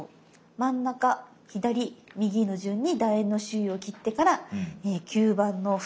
真ん中左右の順にだ円の周囲を切ってから吸盤の縁